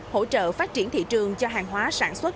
hỗ trợ phát triển thị trường cho hàng hóa sản xuất